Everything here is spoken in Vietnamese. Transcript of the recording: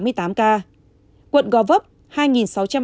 huyện gò vấp hai sáu trăm năm mươi bốn ca